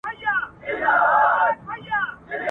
ټول بدن نا ارامه وي.